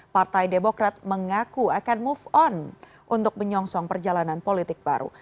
partai demokrat mengaku akan move on untuk menyongsong perjalanan politik baru